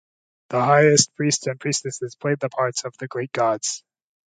The highest priests and priestesses played the parts of the great gods.